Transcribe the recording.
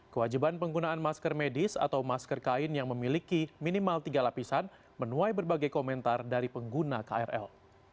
kewajiban penggunaan masker medis atau masker kain yang memiliki minimal tiga lapisan menuai berbagai komentar dari pengguna krl